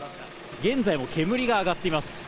現在も煙が上がっています。